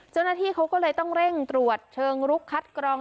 เจ้าหน้าที่เขาก็เลยต้องเร่งตรวจเชิงลุกคัดกรอง